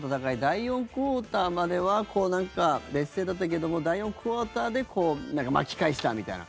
第４クオーターまでは劣勢だったけども第４クオーターで巻き返したみたいな。